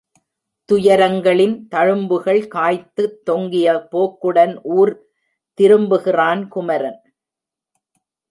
துயரங்களின் தழும்புகள் காய்த்துத் தொங்கிய போக்குடன் ஊர் திரும்புகிறான் குமரன்.